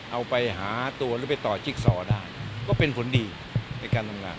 เอาไปหาตัวหรือไปต่อจิ๊กซอได้ก็เป็นผลดีในการทำงาน